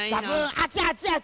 あちあちあち！